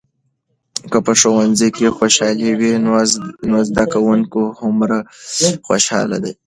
که په ښوونځي کې خوشالي وي، نو زده کوونکي هومره خوشحال دي.